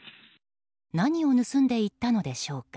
何を盗んでいったのでしょうか。